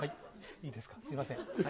いいですか、すみません。